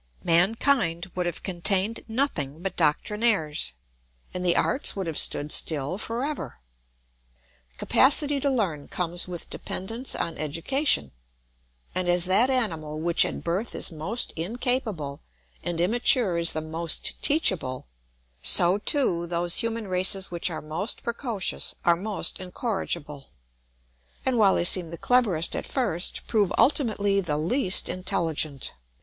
Mankind would have contained nothing but doctrinaires, and the arts would have stood still for ever. Capacity to learn comes with dependence on education; and as that animal which at birth is most incapable and immature is the most teachable, so too those human races which are most precocious are most incorrigible, and while they seem the cleverest at first prove ultimately the least intelligent.